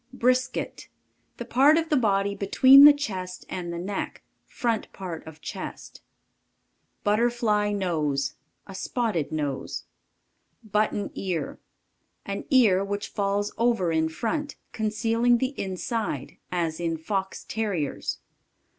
BRISKET. The part of the body between the chest and the neck. Front part of chest. Butterfly nose. A spotted nose. Button ear. An ear which falls over in front, concealing the inside, as in Fox Terriers.